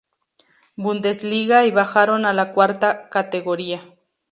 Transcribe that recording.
Bundesliga y bajaron a la cuarta categoría.